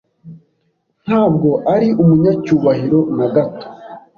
Ntabwo ari umunyacyubahiro na gato.